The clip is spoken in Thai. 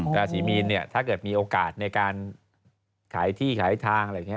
ราศีมีนเนี่ยถ้าเกิดมีโอกาสในการขายที่ขายทางอะไรอย่างนี้